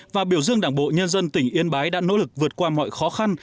và biểu dương đảng bộ nhân dân tỉnh yên bái đã nỗ lực vượt qua mọi khó khăn